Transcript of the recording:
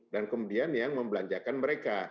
kemudian yang membelanjakan mereka